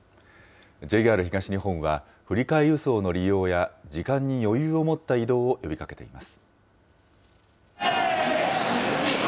ＪＲ東日本は、振り替え輸送の利用や、時間に余裕を持った移動を呼びかけています。